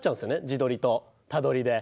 自撮りと他撮りで。